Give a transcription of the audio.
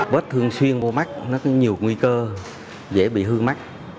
vết thương xuyên vô mắt nó có nhiều nguy cơ dễ bị hư mắt